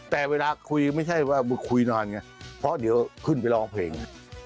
แต่เวลาคุยไม่ใช่ว่าคุยนอนไงเพราะเดี๋ยวขึ้นไปร้องเพลง